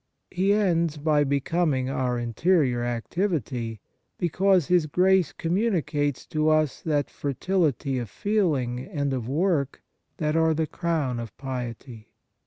He ends by becoming our interior activity, because His grace communicates to us that fertility of feeling and of work that are the crown of piety.